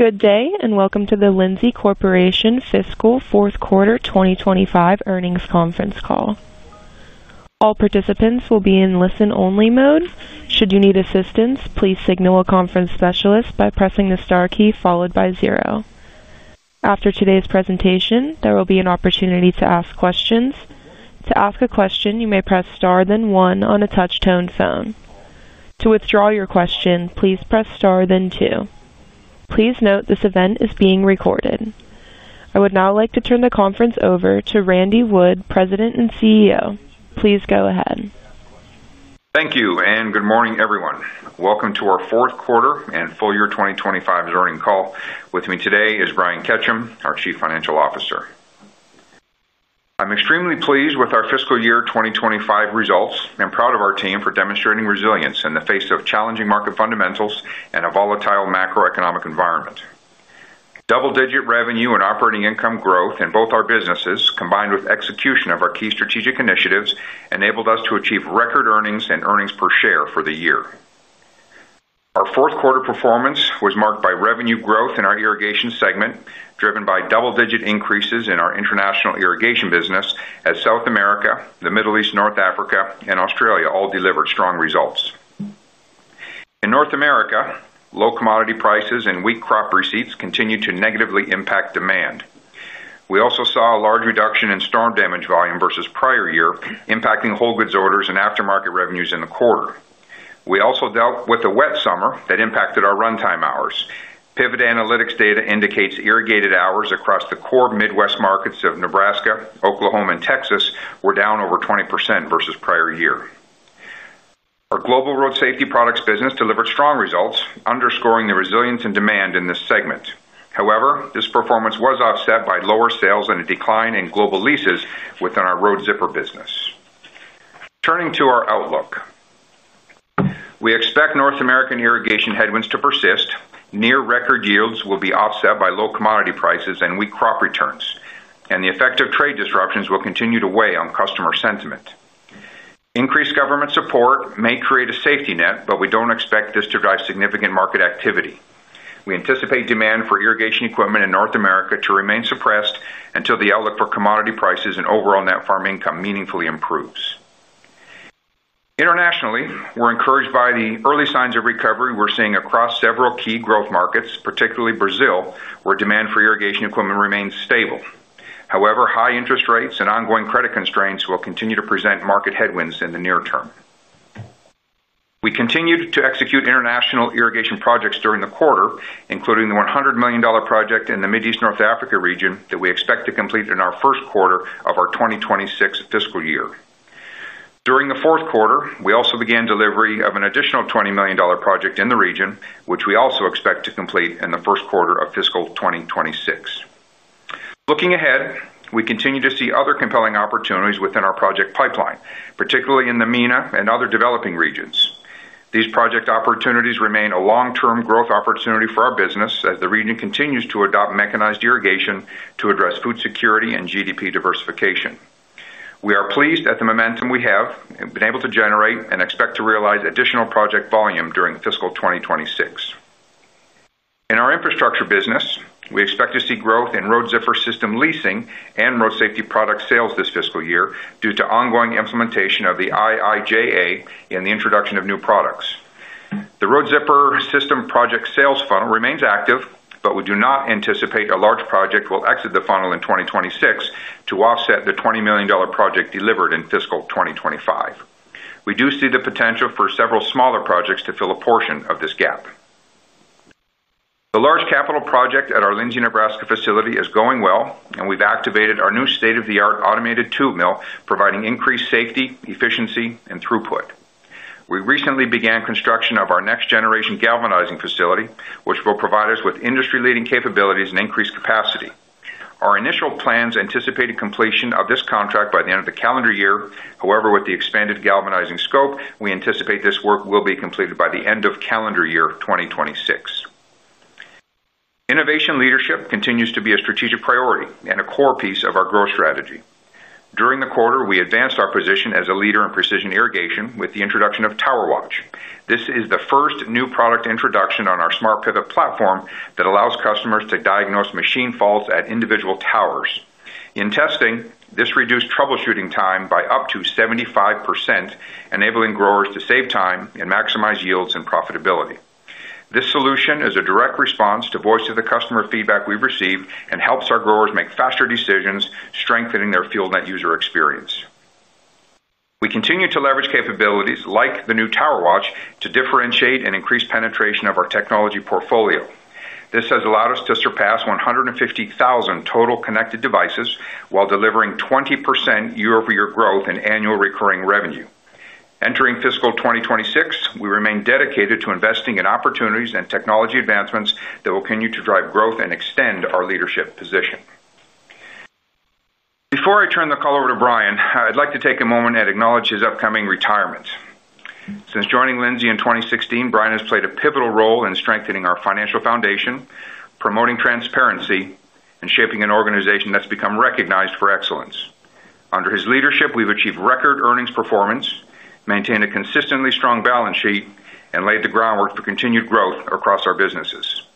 Good day and welcome to the Lindsay Corporation fiscal fourth quarter 2025 earnings conference call. All participants will be in listen-only mode. Should you need assistance, please signal a conference specialist by pressing the star key followed by zero. After today's presentation, there will be an opportunity to ask questions. To ask a question, you may press star, then one on a touch-tone phone. To withdraw your question, please press star, then two. Please note this event is being recorded. I would now like to turn the conference over to Randy Wood, President and CEO. Please go ahead. Thank you, and good morning, everyone. Welcome to our fourth quarter and full-year 2025 earnings call. With me today is Brian Ketcham, our Chief Financial Officer. I'm extremely pleased with our fiscal year 2025 results and proud of our team for demonstrating resilience in the face of challenging market fundamentals and a volatile macroeconomic environment. Double-digit revenue and operating income growth in both our businesses, combined with execution of our key strategic initiatives, enabled us to achieve record earnings and earnings per share for the year. Our fourth quarter performance was marked by revenue growth in our irrigation segment, driven by double-digit increases in our international irrigation business, as South America, the Middle East, North Africa, and Australia all delivered strong results. In North America, low commodity prices and weak crop receipts continued to negatively impact demand. We also saw a large reduction in storm damage volume versus prior year, impacting whole goods orders and aftermarket revenues in the quarter. We also dealt with a wet summer that impacted our runtime hours. Pivot analytics data indicates irrigated hours across the core Midwest markets of Nebraska, Oklahoma, and Texas were down over 20% versus prior year. Our global road safety products business delivered strong results, underscoring the resilience and demand in this segment. However, this performance was offset by lower sales and a decline in global leases within our Road Zipper System business. Turning to our outlook, we expect North American irrigation headwinds to persist. Near record yields will be offset by low commodity prices and weak crop returns, and the effect of trade disruptions will continue to weigh on customer sentiment. Increased government support may create a safety net, but we don't expect this to drive significant market activity. We anticipate demand for irrigation equipment in North America to remain suppressed until the outlook for commodity prices and overall net farm income meaningfully improves. Internationally, we're encouraged by the early signs of recovery we're seeing across several key growth markets, particularly Brazil, where demand for irrigation equipment remains stable. However, high interest rates and ongoing credit constraints will continue to present market headwinds in the near term. We continue to execute international irrigation projects during the quarter, including the $100 million project in the Middle East and North Africa (MENA) region that we expect to complete in our first quarter of our 2026 fiscal year. During the fourth quarter, we also began delivery of an additional $20 million project in the region, which we also expect to complete in the first quarter of fiscal 2026. Looking ahead, we continue to see other compelling opportunities within our project pipeline, particularly in the MENA and other developing regions. These project opportunities remain a long-term growth opportunity for our business as the region continues to adopt mechanized irrigation to address food security and GDP diversification. We are pleased at the momentum we have been able to generate and expect to realize additional project volume during fiscal 2026. In our infrastructure business, we expect to see growth in Road Zipper System leasing and road safety product sales this fiscal year due to ongoing implementation of the Infrastructure Investment and Jobs Act (IIJA) and the introduction of new products. The Road Zipper System project sales funnel remains active, but we do not anticipate a large project will exit the funnel in 2026 to offset the $20 million project delivered in fiscal 2025. We do see the potential for several smaller projects to fill a portion of this gap. The large capital project at our Lindsay, Nebraska facility is going well, and we've activated our new state-of-the-art automated tool mill, providing increased safety, efficiency, and throughput. We recently began construction of our next-generation galvanizing facility, which will provide us with industry-leading capabilities and increased capacity. Our initial plans anticipated completion of this contract by the end of the calendar year. However, with the expanded galvanizing scope, we anticipate this work will be completed by the end of calendar year 2026. Innovation leadership continues to be a strategic priority and a core piece of our growth strategy. During the quarter, we advanced our position as a leader in precision irrigation with the introduction of TowerWatch. This is the first new product introduction on our SmartPivot platform that allows customers to diagnose machine faults at individual towers. In testing, this reduced troubleshooting time by up to 75%, enabling growers to save time and maximize yields and profitability. This solution is a direct response to voice-to-the-customer feedback we've received and helps our growers make faster decisions, strengthening their FieldNET user experience. We continue to leverage capabilities like the new TowerWatch to differentiate and increase penetration of our technology portfolio. This has allowed us to surpass 150,000 total connected devices while delivering 20% year-over-year growth in annual recurring revenue. Entering fiscal 2026, we remain dedicated to investing in opportunities and technology advancements that will continue to drive growth and extend our leadership position. Before I turn the call over to Brian, I'd like to take a moment and acknowledge his upcoming retirement. Since joining Lindsay Corporation in 2016, Brian has played a pivotal role in strengthening our financial foundation, promoting transparency, and shaping an organization that's become recognized for excellence. Under his leadership, we've achieved record earnings performance, maintained a consistently strong balance sheet, and laid the groundwork for continued growth across our businesses.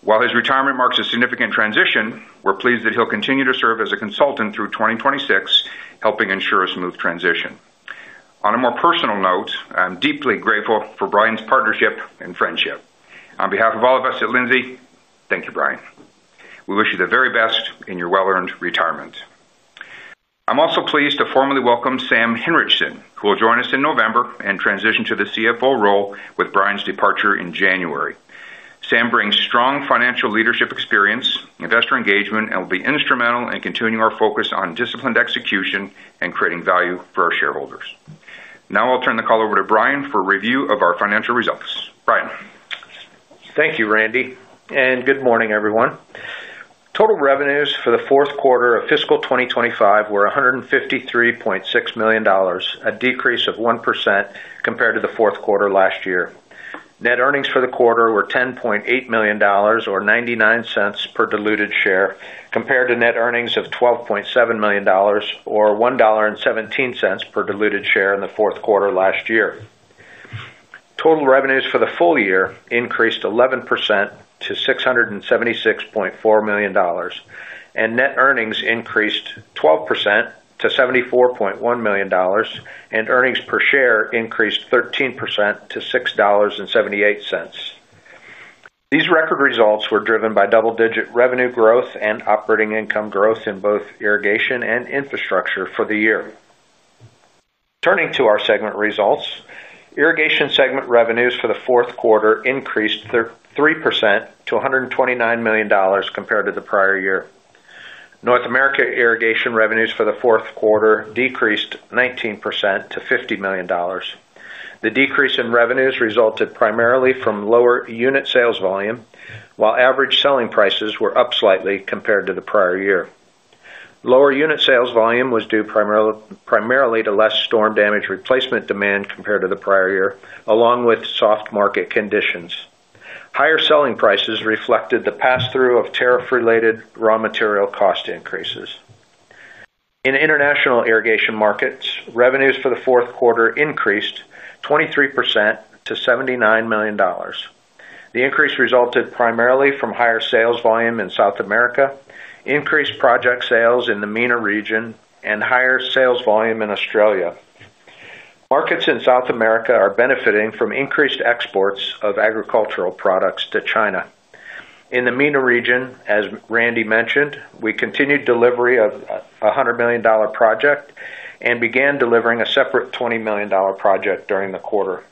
While his retirement marks a significant transition, we're pleased that he'll continue to serve as a consultant through 2026, helping ensure a smooth transition. On a more personal note, I'm deeply grateful for Brian's partnership and friendship. On behalf of all of us at Lindsay Corporation, thank you, Brian. We wish you the very best in your well-earned retirement. I'm also pleased to formally welcome Sam Henrichson, who will join us in November and transition to the CFO role with Brian's departure in January. Sam brings strong financial leadership experience, investor engagement, and will be instrumental in continuing our focus on disciplined execution and creating value for our shareholders. Now I'll turn the call over to Brian for a review of our financial results. Brian. Thank you, Randy, and good morning, everyone. Total revenues for the fourth quarter of fiscal 2025 were $153.6 million, a decrease of 1% compared to the fourth quarter last year. Net earnings for the quarter were $10.8 million or $0.99 per diluted share, compared to net earnings of $12.7 million or $1.17 per diluted share in the fourth quarter last year. Total revenues for the full year increased 11% to $676.4 million, and net earnings increased 12% to $74.1 million, and earnings per share increased 13% to $6.78. These record results were driven by double-digit revenue growth and operating income growth in both irrigation and infrastructure for the year. Turning to our segment results, irrigation segment revenues for the fourth quarter increased 3% to $129 million compared to the prior year. North America irrigation revenues for the fourth quarter decreased 19% to $50 million. The decrease in revenues resulted primarily from lower unit sales volume, while average selling prices were up slightly compared to the prior year. Lower unit sales volume was due primarily to less storm damage replacement demand compared to the prior year, along with soft market conditions. Higher selling prices reflected the pass-through of tariff-related raw material cost increases. In international irrigation markets, revenues for the fourth quarter increased 23% to $79 million. The increase resulted primarily from higher sales volume in South America, increased project sales in the MENA region, and higher sales volume in Australia. Markets in South America are benefiting from increased exports of agricultural products to China. In the MENA region, as Randy mentioned, we continued delivery of a $100 million project and began delivering a separate $20 million project during the quarter.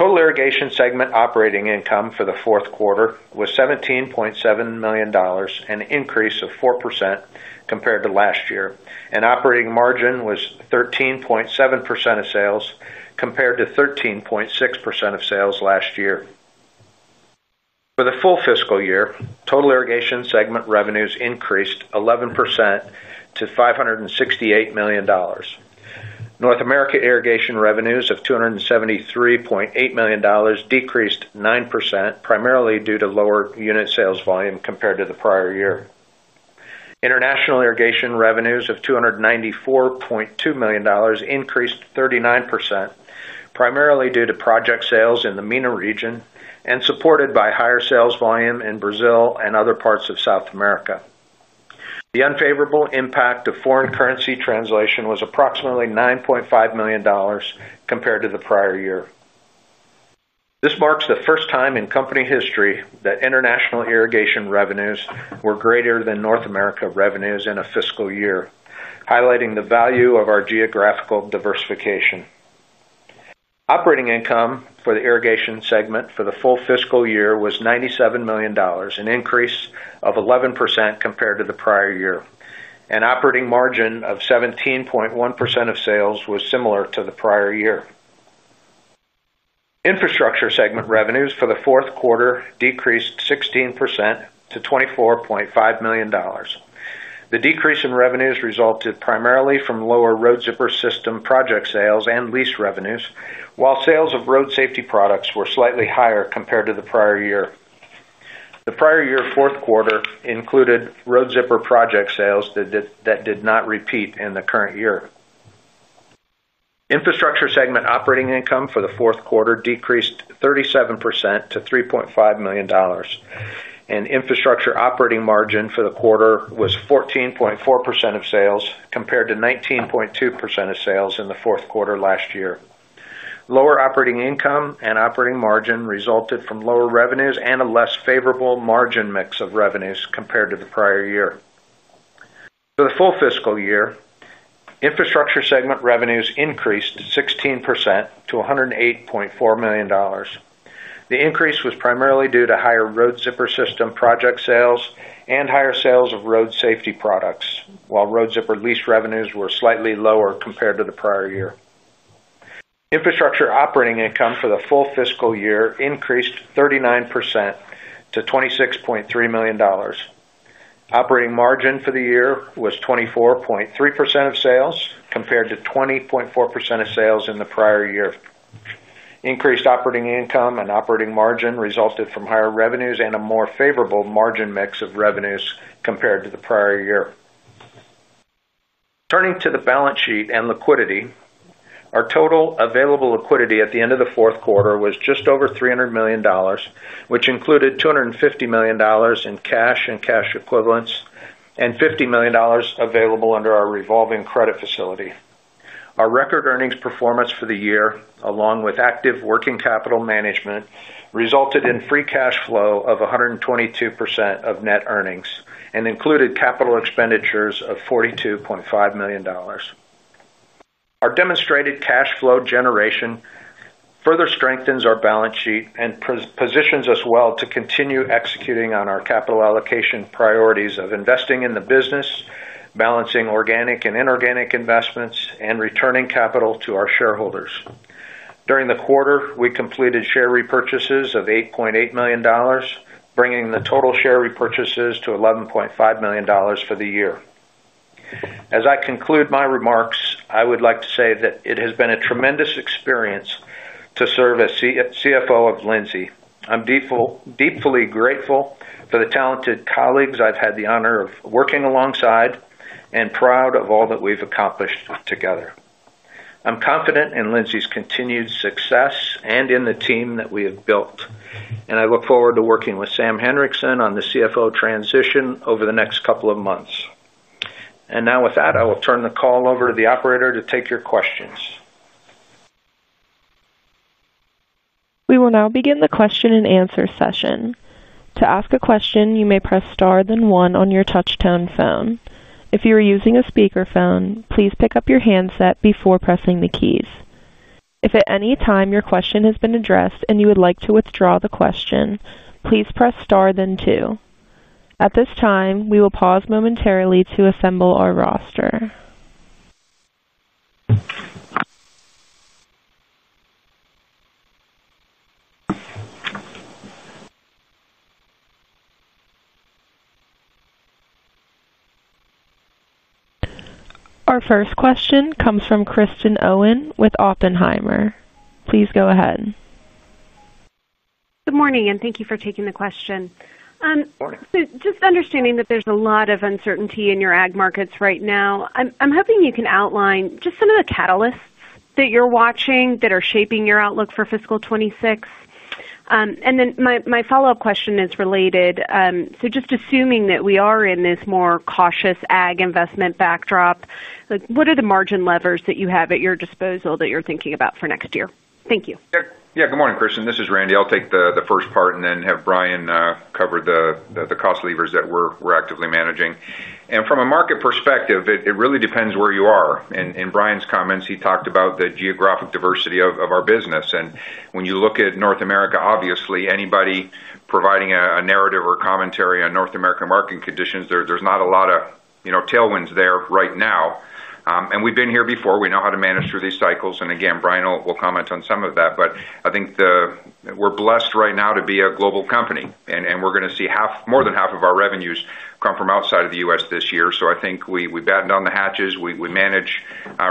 Total irrigation segment operating income for the fourth quarter was $17.7 million, an increase of 4% compared to last year, and operating margin was 13.7% of sales compared to 13.6% of sales last year. For the full fiscal year, total irrigation segment revenues increased 11% to $568 million. North America irrigation revenues of $273.8 million decreased 9%, primarily due to lower unit sales volume compared to the prior year. International irrigation revenues of $294.2 million increased 39%, primarily due to project sales in the MENA region and supported by higher sales volume in Brazil and other parts of South America. The unfavorable impact of foreign currency translation was approximately $9.5 million compared to the prior year. This marks the first time in company history that international irrigation revenues were greater than North America revenues in a fiscal year, highlighting the value of our geographical diversification. Operating income for the irrigation segment for the full fiscal year was $97 million, an increase of 11% compared to the prior year, and operating margin of 17.1% of sales was similar to the prior year. Infrastructure segment revenues for the fourth quarter decreased 16% to $24.5 million. The decrease in revenues resulted primarily from lower Road Zipper System project sales and lease revenues, while sales of road safety products were slightly higher compared to the prior year. The prior year fourth quarter included Road Zipper System project sales that did not repeat in the current year. Infrastructure segment operating income for the fourth quarter decreased 37% to $3.5 million, and infrastructure operating margin for the quarter was 14.4% of sales compared to 19.2% of sales in the fourth quarter last year. Lower operating income and operating margin resulted from lower revenues and a less favorable margin mix of revenues compared to the prior year. For the full fiscal year, infrastructure segment revenues increased 16% to $108.4 million. The increase was primarily due to higher Road Zipper System project sales and higher sales of road safety products, while Road Zipper System lease revenues were slightly lower compared to the prior year. Infrastructure operating income for the full fiscal year increased 39% to $26.3 million. Operating margin for the year was 24.3% of sales compared to 20.4% of sales in the prior year. Increased operating income and operating margin resulted from higher revenues and a more favorable margin mix of revenues compared to the prior year. Turning to the balance sheet and liquidity, our total available liquidity at the end of the fourth quarter was just over $300 million, which included $250 million in cash and cash equivalents and $50 million available under our revolving credit facility. Our record earnings performance for the year, along with active working capital management, resulted in free cash flow of 122% of net earnings and included capital expenditures of $42.5 million. Our demonstrated cash flow generation further strengthens our balance sheet and positions us well to continue executing on our capital allocation priorities of investing in the business, balancing organic and inorganic investments, and returning capital to our shareholders. During the quarter, we completed share repurchases of $8.8 million, bringing the total share repurchases to $11.5 million for the year. As I conclude my remarks, I would like to say that it has been a tremendous experience to serve as CFO of Lindsay. I'm deeply grateful for the talented colleagues I've had the honor of working alongside and proud of all that we've accomplished together. I'm confident in Lindsay's continued success and in the team that we have built, and I look forward to working with Sam Henrichson on the CFO transition over the next couple of months. With that, I will turn the call over to the operator to take your questions. We will now begin the question and answer session. To ask a question, you may press star, then one on your touch-tone phone. If you are using a speaker phone, please pick up your handset before pressing the keys. If at any time your question has been addressed and you would like to withdraw the question, please press star, then two. At this time, we will pause momentarily to assemble our roster. Our first question comes from Kristen Owen with Oppenheimer. Please go ahead. Good morning, and thank you for taking the question. Morning. Understanding that there's a lot of uncertainty in your ag markets right now, I'm hoping you can outline just some of the catalysts that you're watching that are shaping your outlook for fiscal 2026. My follow-up question is related. Assuming that we are in this more cautious ag investment backdrop, what are the margin levers that you have at your disposal that you're thinking about for next year? Thank you. Good morning, Kristen. This is Randy. I'll take the first part and then have Brian cover the cost levers that we're actively managing. From a market perspective, it really depends where you are. In Brian's comments, he talked about the geographic diversity of our business. When you look at North America, obviously, anybody providing a narrative or commentary on North American marketing conditions, there's not a lot of tailwinds there right now. We've been here before. We know how to manage through these cycles. Brian will comment on some of that. I think we're blessed right now to be a global company, and we're going to see more than half of our revenues come from outside of the U.S. this year. I think we battened on the hatches. We manage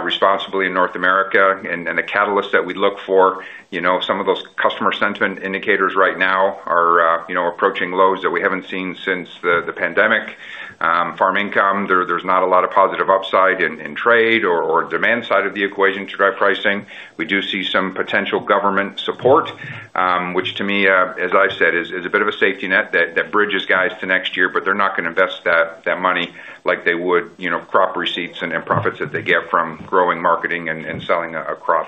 responsibly in North America, and the catalysts that we look for, some of those customer sentiment indicators right now are approaching lows that we haven't seen since the pandemic. Farm income, there's not a lot of positive upside in trade or demand side of the equation to drive pricing. We do see some potential government support, which to me, as I've said, is a bit of a safety net that bridges guys to next year, but they're not going to invest that money like they would crop receipts and profits that they get from growing, marketing, and selling a crop.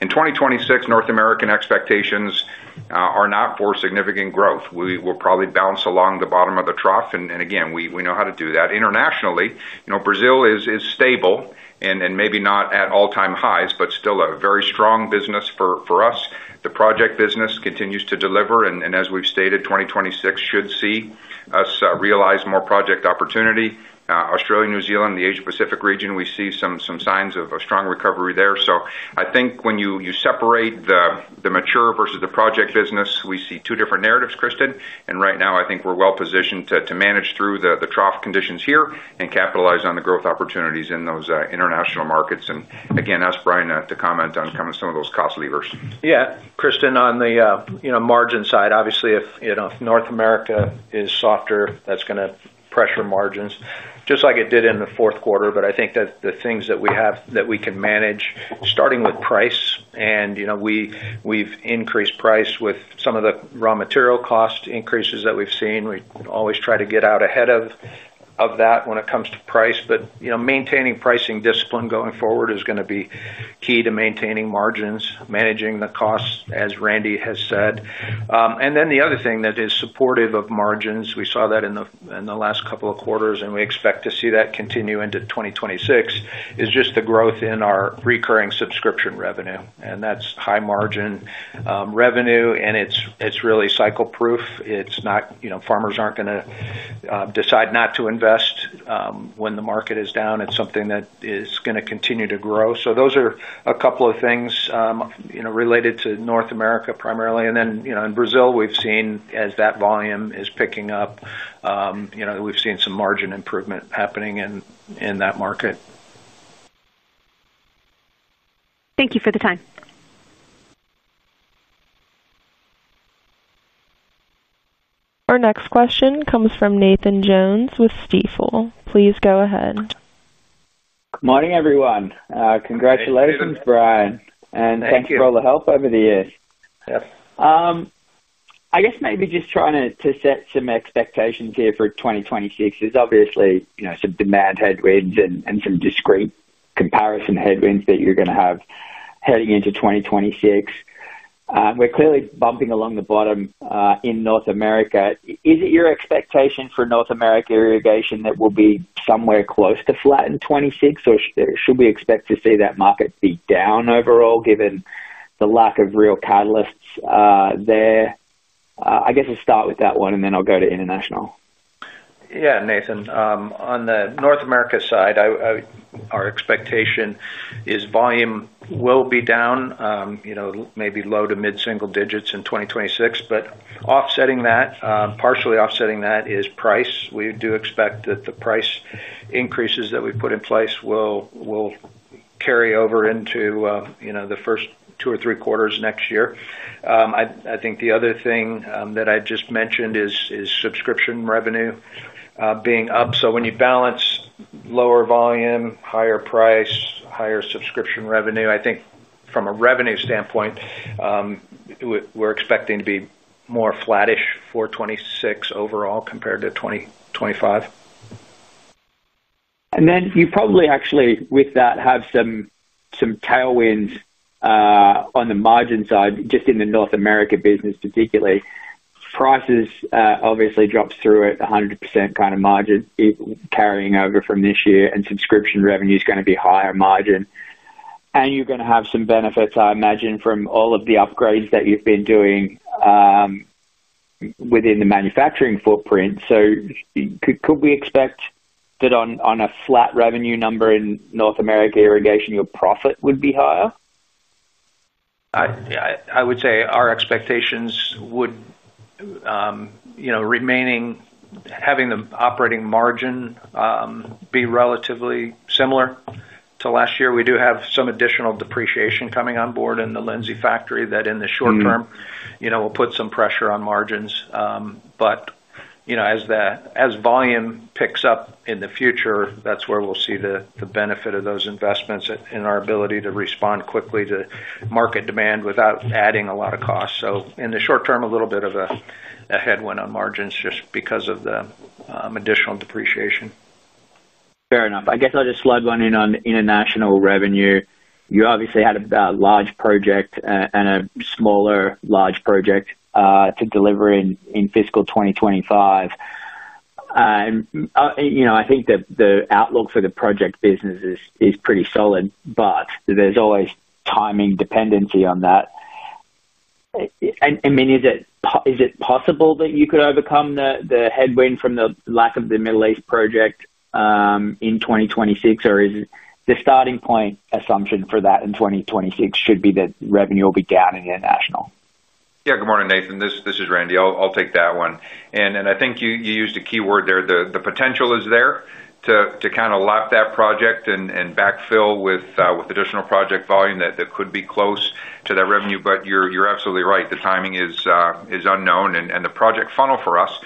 In 2026, North American expectations are not for significant growth. We will probably bounce along the bottom of the trough. We know how to do that. Internationally, Brazil is stable and maybe not at all-time highs, but still a very strong business for us. The project business continues to deliver. As we've stated, 2026 should see us realize more project opportunity. Australia, New Zealand, the Asia-Pacific region, we see some signs of a strong recovery there. I think when you separate the mature versus the project business, we see two different narratives, Kristen. Right now, I think we're well positioned to manage through the trough conditions here and capitalize on the growth opportunities in those international markets. I'll ask Brian to comment on some of those cost levers. Yeah, Kristen, on the margin side, obviously, if North America is softer, that's going to pressure margins just like it did in the fourth quarter. I think that the things that we have that we can manage, starting with price, and you know, we've increased price with some of the raw material cost increases that we've seen. We always try to get out ahead of that when it comes to price. You know, maintaining pricing discipline going forward is going to be key to maintaining margins, managing the costs, as Randy has said. The other thing that is supportive of margins, we saw that in the last couple of quarters, and we expect to see that continue into 2026, is just the growth in our recurring subscription revenue. That's high margin revenue, and it's really cycle-proof. It's not, you know, farmers aren't going to decide not to invest when the market is down. It's something that is going to continue to grow. Those are a couple of things related to North America primarily. In Brazil, we've seen as that volume is picking up, you know, we've seen some margin improvement happening in that market. Thank you for the time. Our next question comes from Nathan Jones with Stifel Nicolaus & Company. Please go ahead. Good morning, everyone. Congratulations, Brian. Thank you for all the help over the years. I guess maybe just trying to set some expectations here for 2026 is obviously, you know, some demand headwinds and some discrete comparison headwinds that you're going to have heading into 2026. We're clearly bumping along the bottom in North America. Is it your expectation for North America irrigation that will be somewhere close to flat in 2026, or should we expect to see that market be down overall given the lack of real catalysts there? I guess I'll start with that one, then I'll go to international. Yeah, Nathan, on the North America side, our expectation is volume will be down, you know, maybe low to mid-single digits in 2026. Partially offsetting that is price. We do expect that the price increases that we put in place will carry over into, you know, the first two or three quarters next year. I think the other thing that I just mentioned is subscription revenue being up. When you balance lower volume, higher price, higher subscription revenue, I think from a revenue standpoint, we're expecting to be more flattish for 2026 overall compared to 2025. You probably actually, with that, have some tailwinds on the margin side, just in the North America business particularly. Prices obviously dropped through at 100% kind of margin carrying over from this year, and subscription revenue is going to be higher margin. You're going to have some benefits, I imagine, from all of the upgrades that you've been doing within the manufacturing footprint. Could we expect that on a flat revenue number in North America irrigation, your profit would be higher? I would say our expectations would be having the operating margin be relatively similar to last year. We do have some additional depreciation coming on board in the Lindsay factory that in the short term will put some pressure on margins. As the volume picks up in the future, that's where we'll see the benefit of those investments in our ability to respond quickly to market demand without adding a lot of costs. In the short term, a little bit of a headwind on margins just because of the additional depreciation. Fair enough. I guess I'll just plug one in on international revenue. You obviously had a large project and a smaller large project to deliver in fiscal 2025. I think that the outlook for the project business is pretty solid, but there's always timing dependency on that. Is it possible that you could overcome the headwind from the lack of the Middle East project in 2026, or is the starting point assumption for that in 2026 should be that revenue will be down in international? Yeah, good morning, Nathan. This is Randy. I'll take that one. I think you used a key word there. The potential is there to kind of lap that project and backfill with additional project volume that could be close to that revenue. You're absolutely right, the timing is unknown. The project funnel for us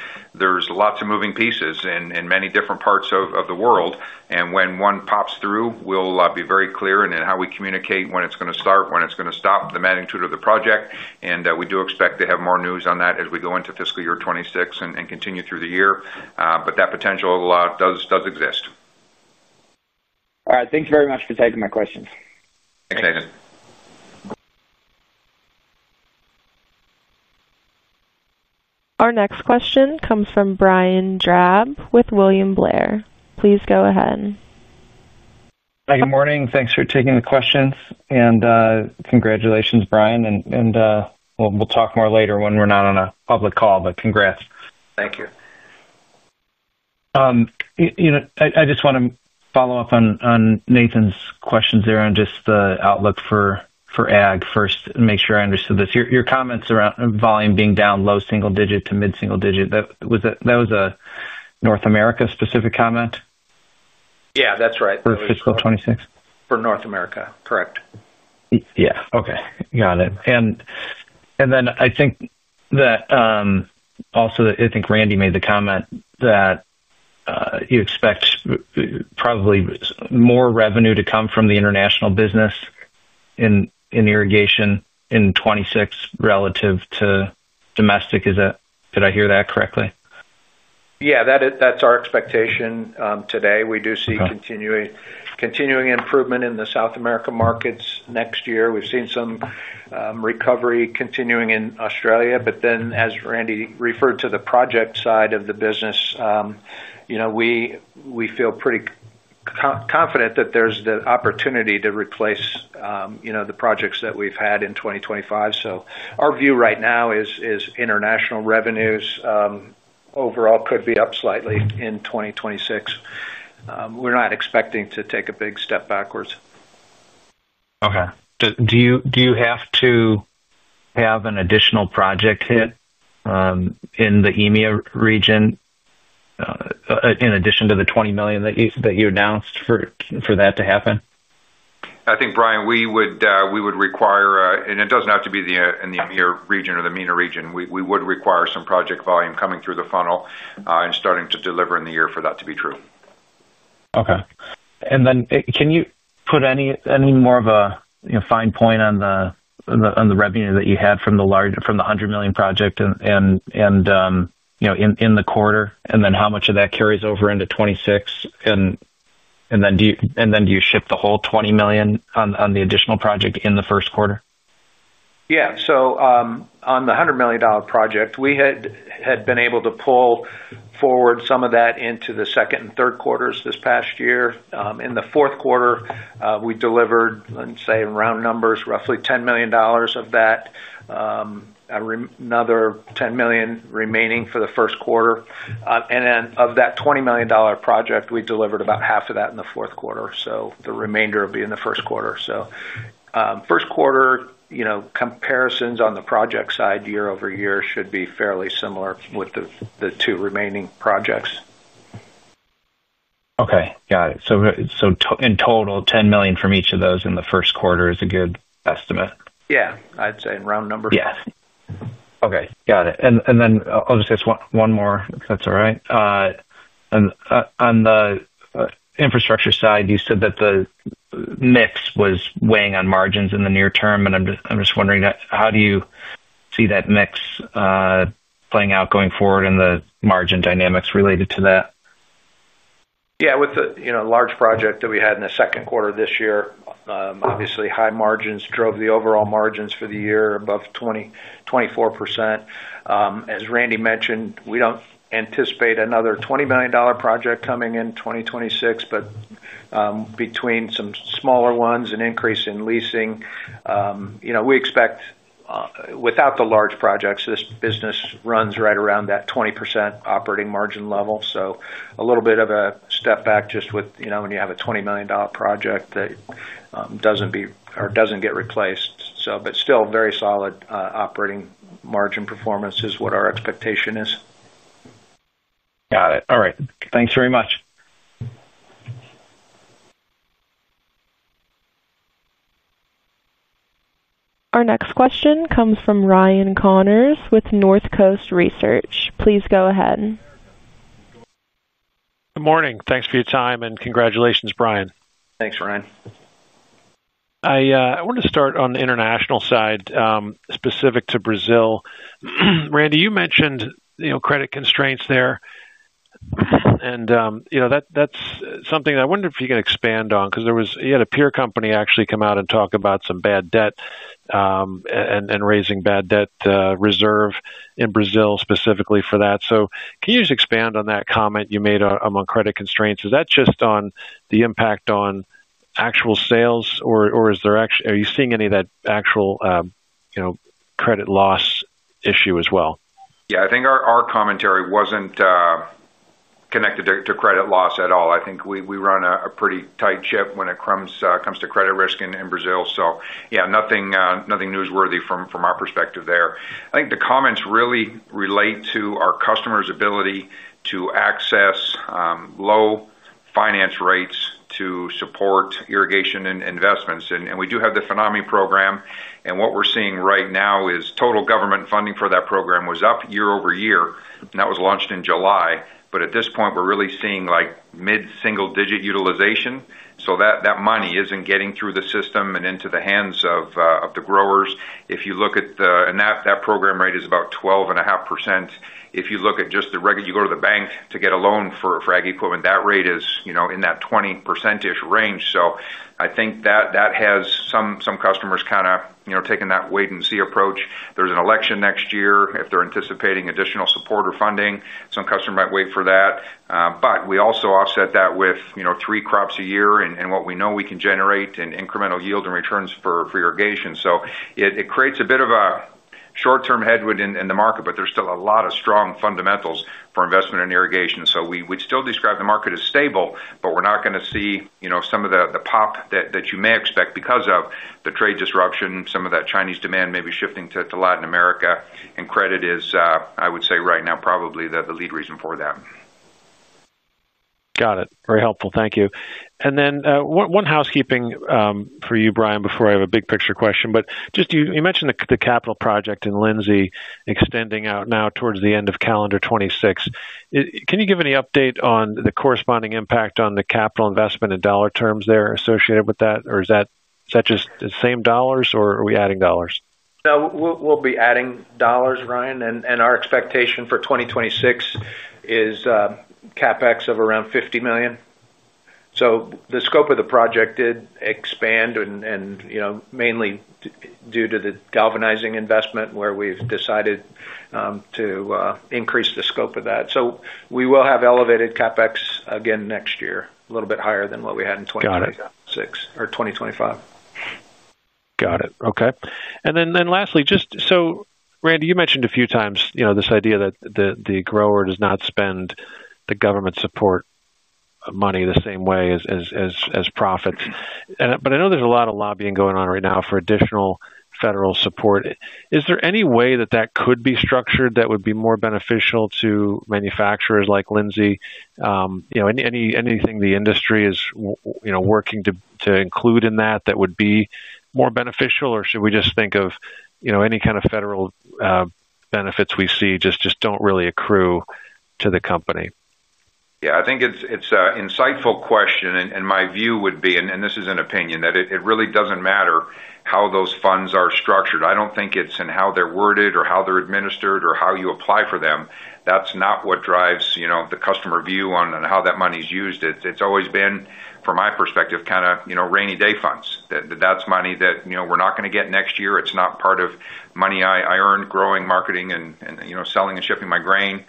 has lots of moving pieces in many different parts of the world. When one pops through, we'll be very clear in how we communicate when it's going to start, when it's going to stop, the magnitude of the project, and that we do expect to have more news on that as we go into fiscal year 2026 and continue through the year. That potential does exist. All right. Thank you very much for taking my questions. Thanks, Nathan. Our next question comes from Brian Drab with William Blair & Company. Please go ahead. Good morning. Thanks for taking the questions. Congratulations, Brian. We'll talk more later when we're not on a public call, but congrats. Thank you. I just want to follow up on Nathan's questions there on just the outlook for ag first and make sure I understood this. Your comments around volume being down low single digit to mid-single digit, that was a North America specific comment? Yeah, that's right. For fiscal 2026? For North America, correct. Yeah. Okay. Got it. I think Randy made the comment that you expect probably more revenue to come from the international business in irrigation in 2026 relative to domestic. Did I hear that correctly? Yeah. That's our expectation today. We do see continuing improvement in the South America markets next year. We've seen some recovery continuing in Australia. As Randy referred to the project side of the business, we feel pretty confident that there's the opportunity to replace the projects that we've had in 2025. Our view right now is international revenues overall could be up slightly in 2026. We're not expecting to take a big step backwards. Okay. Do you have to have an additional project hit in the MENA region in addition to the $20 million that you announced for that to happen? I think, Brian, we would require, and it doesn't have to be in the MENA region, we would require some project volume coming through the funnel and starting to deliver in the year for that to be true. Okay. Can you put any more of a fine point on the revenue that you had from the $100 million project in the quarter, and then how much of that carries over into 2026? Do you ship the whole $20 million on the additional project in the first quarter? Yeah. On the $100 million project, we had been able to pull forward some of that into the second and third quarters this past year. In the fourth quarter, we delivered, let's say in round numbers, roughly $10 million of that, another $10 million remaining for the first quarter. Of that $20 million project, we delivered about half of that in the fourth quarter. The remainder will be in the first quarter. First quarter comparisons on the project side year over year should be fairly similar with the two remaining projects. Okay. Got it. In total, $10 million from each of those in the first quarter is a good estimate. Yeah, I'd say in round numbers. Yeah. Okay. Got it. I'll just ask one more, if that's all right. On the infrastructure side, you said that the mix was weighing on margins in the near term. I'm just wondering, how do you see that mix playing out going forward in the margin dynamics related to that? Yeah. With a large project that we had in the second quarter of this year, obviously, high margins drove the overall margins for the year above 24%. As Randy mentioned, we don't anticipate another $20 million project coming in 2026, but between some smaller ones and increase in leasing, we expect without the large projects, this business runs right around that 20% operating margin level. A little bit of a step back just with, when you have a $20 million project that doesn't be or doesn't get replaced. Still, very solid operating margin performance is what our expectation is. Got it. All right. Thanks very much. Our next question comes from Ryan Connors with Northcoast Research Partners. Please go ahead. Good morning. Thanks for your time and congratulations, Brian. Thanks, Ryan. I want to start on the international side, specific to Brazil. Randy, you mentioned credit constraints there. That's something that I wonder if you can expand on because you had a peer company actually come out and talk about some bad debt and raising bad debt reserve in Brazil specifically for that. Can you just expand on that comment you made among credit constraints? Is that just on the impact on actual sales, or are you seeing any of that actual credit loss issue as well? Yeah, I think our commentary wasn't connected to credit loss at all. I think we run a pretty tight ship when it comes to credit risk in Brazil. Nothing newsworthy from our perspective there. I think the comments really relate to our customer's ability to access low finance rates to support irrigation and investments. We do have the FENAMI program. What we're seeing right now is total government funding for that program was up year over year, and that was launched in July. At this point, we're really seeing like mid-single digit utilization. That money isn't getting through the system and into the hands of the growers. If you look at that program rate, it is about 12.5%. If you look at just the record, you go to the bank to get a loan for irrigation equipment, that rate is, you know, in that 20%-ish range. I think that has some customers kind of taking that wait-and-see approach. There's an election next year. If they're anticipating additional support or funding, some customers might wait for that. We also offset that with three crops a year and what we know we can generate in incremental yield and returns for irrigation. It creates a bit of a short-term headwind in the market, but there's still a lot of strong fundamentals for investment in irrigation. We'd still describe the market as stable, but we're not going to see some of the pop that you may expect because of the trade disruption. Some of that Chinese demand may be shifting to Latin America, and credit is, I would say, right now, probably the lead reason for that. Got it. Very helpful. Thank you. One housekeeping for you, Brian, before I have a big picture question. You mentioned the capital project in Lindsay extending out now towards the end of calendar 2026. Can you give any update on the corresponding impact on the capital investment in dollar terms there associated with that? Is that just the same dollars, or are we adding dollars? Yeah. We'll be adding dollars, Ryan. Our expectation for 2026 is a CapEx of around $50 million. The scope of the project did expand, mainly due to the galvanizing investment where we've decided to increase the scope of that. We will have elevated CapEx again next year, a little bit higher than what we had in 2025. Got it. Okay. Lastly, Randy, you mentioned a few times this idea that the grower does not spend the government support money the same way as profits. I know there's a lot of lobbying going on right now for additional federal support. Is there any way that could be structured that would be more beneficial to manufacturers like Lindsay? Anything the industry is working to include in that that would be more beneficial? Should we just think of any kind of federal benefits we see just don't really accrue to the company? I think it's an insightful question. My view would be, and this is an opinion, that it really doesn't matter how those funds are structured. I don't think it's in how they're worded or how they're administered or how you apply for them. That's not what drives the customer view on how that money is used. It's always been, from my perspective, kind of rainy day funds. That's money that we're not going to get next year. It's not part of money I earn growing, marketing, and selling and shipping my grain.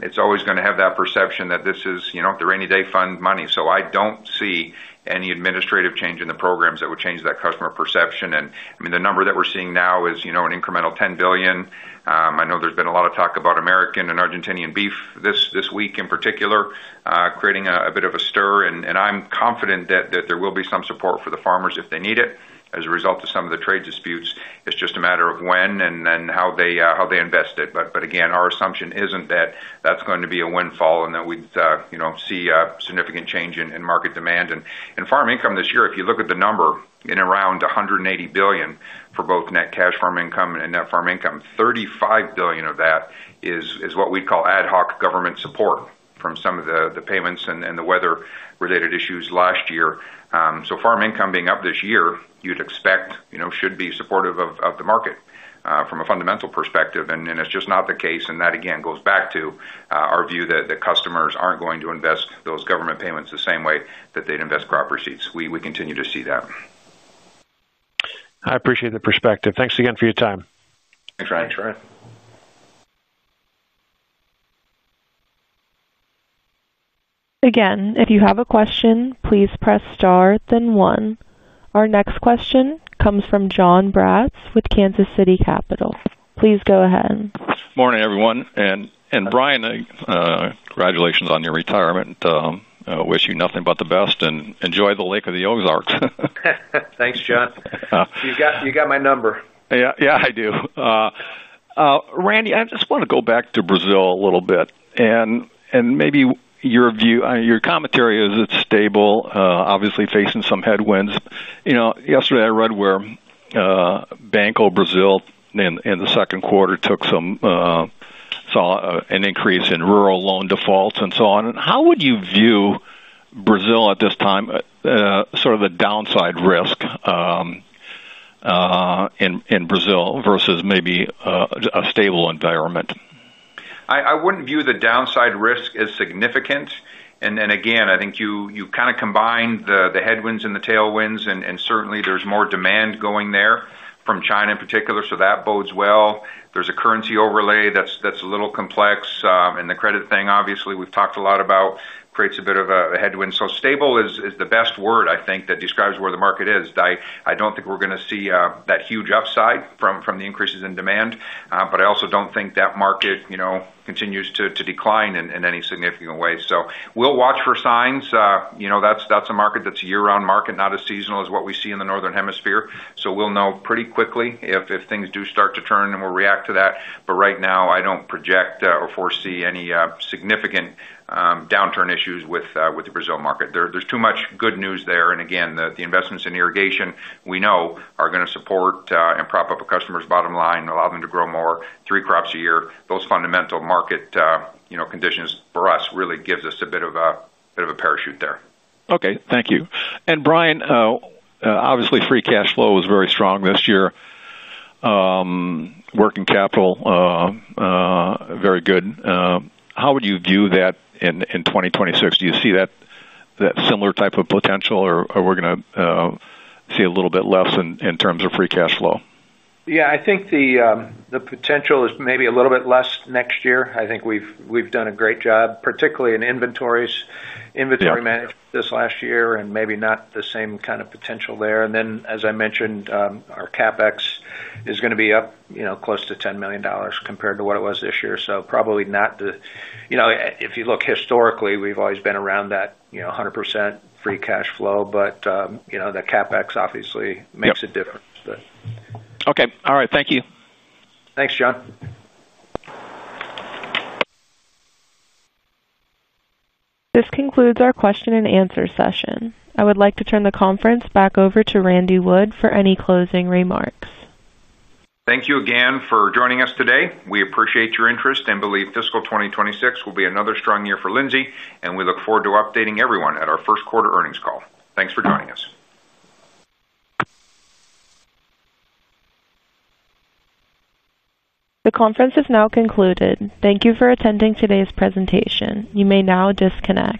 It's always going to have that perception that this is the rainy day fund money. I don't see any administrative change in the programs that would change that customer perception. The number that we're seeing now is an incremental $10 billion. I know there's been a lot of talk about American and Argentinian beef this week in particular, creating a bit of a stir. I'm confident that there will be some support for the farmers if they need it as a result of some of the trade disputes. It's just a matter of when and how they invest it. Again, our assumption isn't that that's going to be a windfall and that we'd see a significant change in market demand. Farm income this year, if you look at the number, is around $180 billion for both net cash farm income and net farm income. $35 billion of that is what we'd call ad hoc government support from some of the payments and the weather-related issues last year. Farm income being up this year, you'd expect, should be supportive of the market from a fundamental perspective. It's just not the case. That goes back to our view that the customers aren't going to invest those government payments the same way that they'd invest crop receipts. We continue to see that. I appreciate the perspective. Thanks again for your time. Thanks, Ryan. Again, if you have a question, please press star, then one. Our next question comes from Jonathan Braatz with Kansas City Capital Associates. Please go ahead. Morning, everyone. Brian, congratulations on your retirement. I wish you nothing but the best and enjoy the Lake of the Ozarks. Thanks, John. You got my number. Yeah, I do. Randy, I just want to go back to Brazil a little bit and maybe your view, your commentary is it's stable, obviously facing some headwinds. Yesterday I read where Banco Brazil in the second quarter saw an increase in rural loan defaults and so on. How would you view Brazil at this time, sort of the downside risk in Brazil versus maybe a stable environment? I wouldn't view the downside risk as significant. I think you kind of combined the headwinds and the tailwinds, and certainly there's more demand going there from China in particular. That bodes well. There's a currency overlay that's a little complex. The credit thing, obviously, we've talked a lot about, creates a bit of a headwind. Stable is the best word, I think, that describes where the market is. I don't think we're going to see that huge upside from the increases in demand. I also don't think that market, you know, continues to decline in any significant way. We'll watch for signs. That's a market that's a year-round market, not as seasonal as what we see in the Northern Hemisphere. We'll know pretty quickly if things do start to turn, and we'll react to that. Right now, I don't project or foresee any significant downturn issues with the Brazil market. There's too much good news there. The investments in irrigation we know are going to support and prop up a customer's bottom line, allow them to grow more three crops a year. Those fundamental market conditions for us really give us a bit of a parachute there. Okay. Thank you. Brian, obviously, free cash flow was very strong this year. Working capital, very good. How would you view that in 2026? Do you see that similar type of potential, or are we going to see a little bit less in terms of free cash flow? Yeah. I think the potential is maybe a little bit less next year. I think we've done a great job, particularly in inventory management this last year, and maybe not the same kind of potential there. As I mentioned, our CapEx is going to be up, you know, close to $10 million compared to what it was this year. Probably not the, you know, if you look historically, we've always been around that, you know, 100% free cash flow. The CapEx obviously makes a difference. Okay. All right. Thank you. Thanks, John. This concludes our question and answer session. I would like to turn the conference back over to Randy Wood for any closing remarks. Thank you again for joining us today. We appreciate your interest and believe fiscal 2026 will be another strong year for Lindsay, and we look forward to updating everyone at our first quarter earnings call. Thanks for joining us. The conference is now concluded. Thank you for attending today's presentation. You may now disconnect.